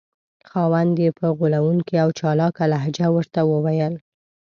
خاوند یې په غولونکې او چالاکه لهجه ورته وویل.